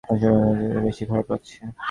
আজ শরীর অন্যদিনের চেয়েও বেশি খারাপ লাগছে।